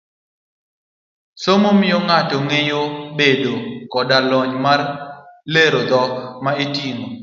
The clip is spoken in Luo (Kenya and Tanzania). somo miyo ng'ato ngeyo bedo koda lony mar lero dhok ma otigo.